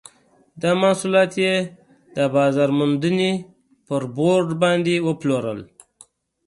دا محصولات یې د بازار موندنې بورډ باندې وپلورل.